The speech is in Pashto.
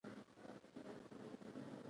سهار د وفادار زړه انګازې دي.